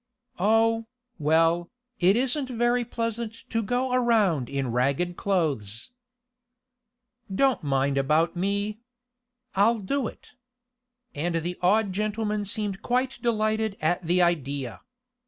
"Oh, well, it isn't very pleasant to go around in ragged clothes." "Don't mind about me. I'll do it." And the odd gentleman seemed quite delighted at the idea.